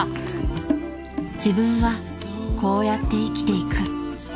［自分はこうやって生きていく］